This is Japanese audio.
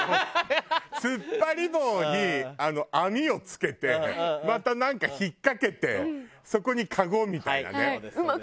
突っ張り棒にあの網を付けてまたなんか引っかけてそこにかごみたいなね。